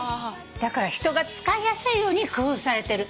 だから人が使いやすいように工夫されてる。